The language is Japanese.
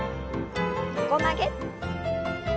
横曲げ。